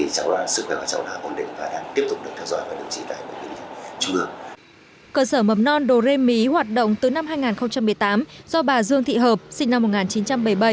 cơ sở mầm non đồ rê mí hoạt động từ năm hai nghìn một mươi tám do bà dương thị hợp sinh năm một nghìn chín trăm bảy mươi bảy